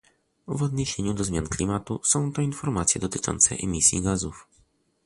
W odniesieniu do zmian klimatu są to informacje dotyczące emisji gazów